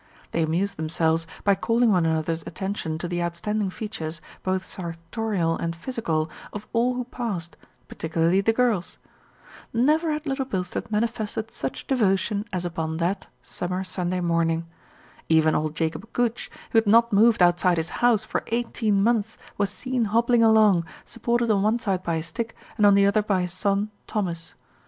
They amused themselves by calling one another's attention to the outstanding features, both sartorial and physical, of all who passed, particularly the girls. Never had Little Bilstead manifested such devotion as upon that summer Sunday morning. Even old Jacob Gooch, who had not moved outside his house for eighteen months, was seen hobbling along, supported on one side by a stick, and on the other by his son, Thomas.